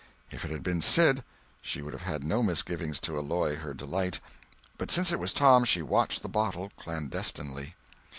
If it had been Sid, she would have had no misgivings to alloy her delight; but since it was Tom, she watched the bottle clandestinely.